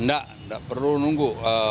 nggak nggak perlu nunggu